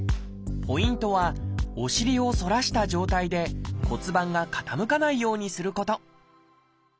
ポイントはお尻を反らした状態で骨盤が傾かないようにすること